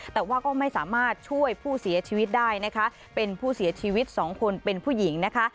แต่ว่าก็ไม่สามารถช่วยผู้เสียชีวิตได้นะคะเป็นผู้เสียชีวิตสองคนเป็นผู้หญิงนะคะ